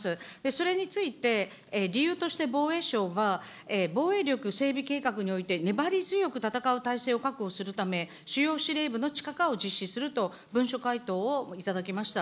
それについて、理由として防衛省は、防衛力整備計画において粘り強く戦う体制を確保するため、主要司令部の地下化を実施すると、文書回答を頂きました。